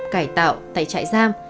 cải tạo tại trại giam